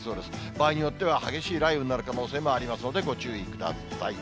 場合によっては激しい雷雨になる可能性もありますので、ご注意ください。